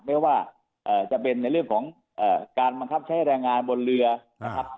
ไม่ว่าจะเป็นในเรื่องของการบังคับใช้แรงงานบนเรือนะครับ